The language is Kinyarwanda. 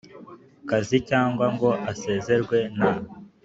kazi cyangwa ngo asezererwe nta